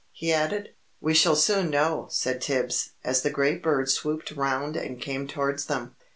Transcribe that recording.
he added. "We shall soon know," said Tibbs, as the great bird swooped round and came towards them.